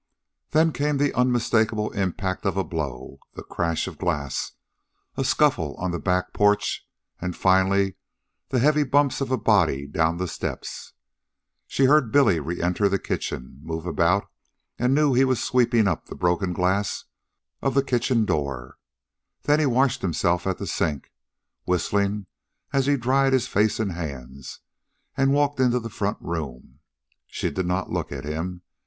Then came the unmistakable impact of a blow; the crash of glass; a scuffle on the back porch; and, finally, the heavy bumps of a body down the steps. She heard Billy reenter the kitchen, move about, and knew he was sweeping up the broken glass of the kitchen door. Then he washed himself at the sink, whistling while he dried his face and hands, and walked into the front room. She did not look at him.